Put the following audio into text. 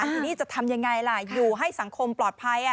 ทีนี้จะทำยังไงล่ะอยู่ให้สังคมปลอดภัย